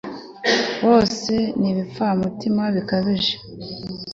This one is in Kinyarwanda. bose ni ibipfamutima bikabije